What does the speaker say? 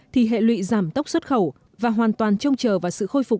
thì hệ lụy giảm tốc xuất khẩu và hoàn toàn trông chờ vào sự khôi phục